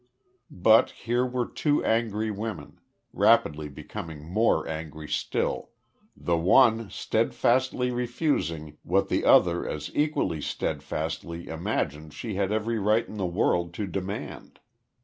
But here were two angry women, rapidly becoming more angry still the one steadfastly refusing what the other as equally steadfastly imagined she had every right in the world to demand.